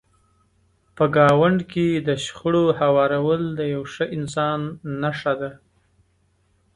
په ګاونډ کې د شخړو هوارول د یو ښه انسان نښه ده.